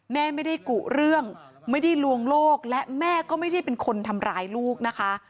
แม่ไม่ได้กุเรื่องไม่ได้ลวงโลกและแม่ก็ไม่ได้เป็นคนทำร้ายลูกนะคะ